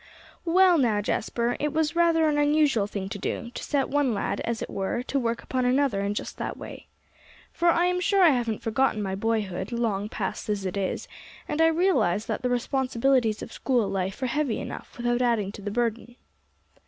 "Well, now, Jasper, it was rather an unusual thing to do, to set one lad, as it were, to work upon another in just that way. For I am sure I haven't forgotten my boyhood, long past as it is, and I realize that the responsibilities of school life are heavy enough, without adding to the burden."